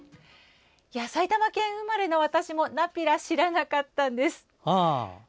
埼玉県生まれの私もナピラを知らなかったんです。